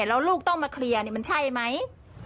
แล้วลูกต้องมาเคลียร์มันใช่ไหม